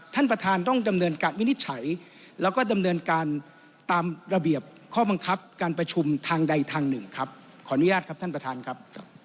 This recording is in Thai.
ท่านประธานต้องดำเนินการวินิจฉัยแล้วก็ดำเนินการตามระเบียบข้อบังคับการประชุมทางใดทางหนึ่งครับขออนุญาตครับท่านประธานครับ